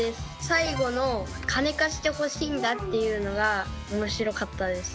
最後の「金貸してほしいんだ」っていうのが面白かったです。